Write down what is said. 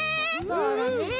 そうだね。